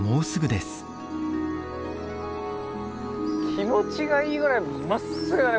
気持ちがいいぐらいまっすぐだね